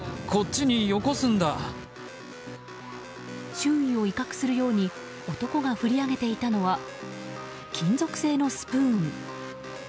周囲を威嚇するように男が振り上げていたのは金属製のスプーン。